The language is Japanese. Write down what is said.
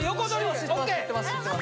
知ってます